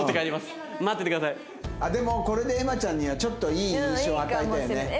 でもこれで瑛茉ちゃんにはちょっといい印象を与えたよね。